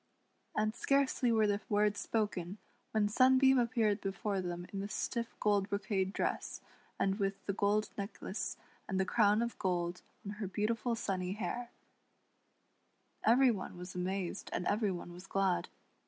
And scarcely were the words spoken when Sunbeam appeared before them in the stiff gold brocade dress, and with the gold necklace and the crown of gold on her beautiful sunny hair, Eveiy one was amazed and every one was glad.